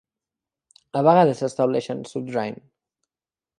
A vegades s'estableixen "sub 'ndrine".